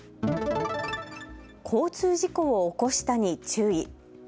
交通事故を起こしたに注意。